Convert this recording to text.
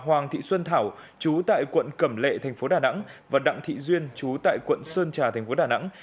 hoàng thị xuân thảo chú tại quận cẩm lệ thành phố đà nẵng và đặng thị duyên chú tại quận sơn trà thành phố đà nẵng